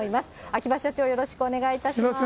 秋葉社長、よろしくお願いいたします。